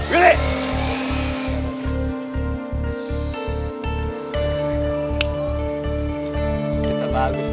gue belum kelaru ngomong sama lo wil